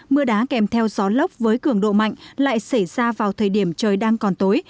mưa đá kèm theo gió lốc với cường độ mạnh lại xảy ra vào thời điểm trời đang còn tối